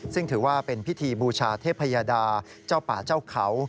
ซึ่งถือว่าเป็นพิธีบูชาเทพยดาเจ้าป่าเจ้าเขา